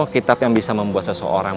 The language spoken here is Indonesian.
kitab yang bisa membuat seseorang